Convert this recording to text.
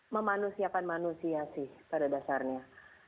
memanusiakan manusia sih pada dasarnya